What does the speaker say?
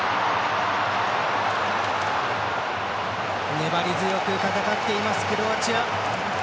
粘り強く戦っていますクロアチア。